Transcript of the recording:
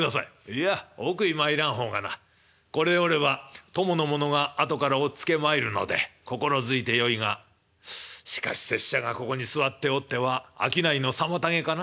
「いや奥に参らん方がなこれおれば供の者が後から追っつけまいるので心付いてよいがしかし拙者がここに座っておっては商いの妨げかな？」。